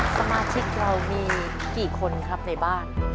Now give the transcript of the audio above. สมาชิกเรามีกี่คนครับในบ้าน